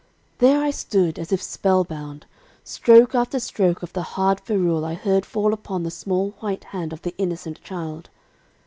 "There I stood, as if spellbound. Stroke after stroke of the hard ferule I heard fall upon the small white hand of the innocent child.